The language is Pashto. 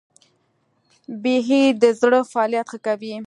بیهي د زړه فعالیت ښه کوي.